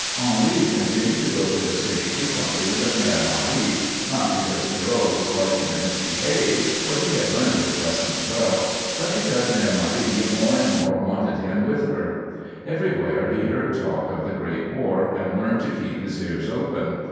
Henri continued to go to the city frequently with Mère Marie, not because Pierrot was likely to misbehave, for he had learned his lessons well, but because Mère Marie more and more wanted him with her. Everywhere he heard talk of the great war and learned to keep his ears open.